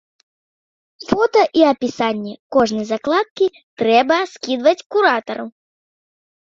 Фота і апісанне кожнай закладкі трэба скідваць куратару.